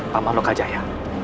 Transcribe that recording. pemah loka jaya